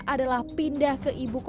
adalah pindah ke ibu kota negara nusantara